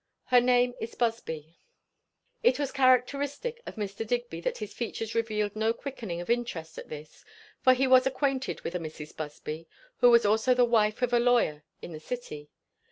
"Her name is Busby." It was characteristic of Mr. Digby that his features revealed no quickening of interest at this; for he was acquainted with a Mrs. Busby, who was also the wife of a lawyer in the city.